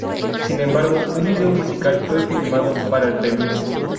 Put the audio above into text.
Sin embargo, un vídeo musical fue filmado para el remix.